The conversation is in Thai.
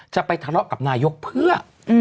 จะไปทะเลาะกับนายกเพื่อ